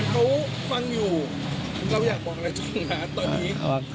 เขาฟังอยู่เราอยากบอกอะไรช่วงนั้นตอนนี้